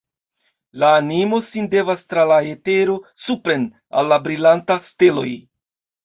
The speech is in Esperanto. La animo sin levas tra la etero supren, al la brilantaj steloj!